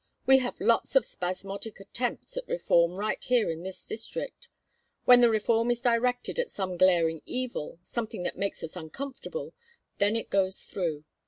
We have lots of spasmodic attempts at reform right here in this district. When the reform is directed at some glaring evil, something that makes us uncomfortable, then it goes through.